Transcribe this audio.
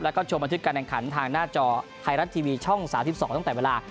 แล้วก็ชมบันทึกการแข่งขันทางหน้าจอไทยรัฐทีวีช่อง๓๒ตั้งแต่เวลา